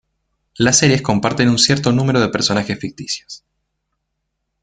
Las series comparten un cierto número de personajes ficticios.